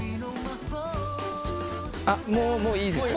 あっもうもういいです。